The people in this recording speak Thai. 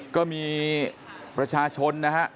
ก็มีประชาชนนะฮะ